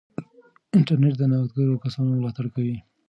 انټرنیټ د نوښتګرو کسانو ملاتړ کوي.